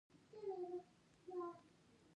ازادي راډیو د سوله په اړه د خلکو نظرونه خپاره کړي.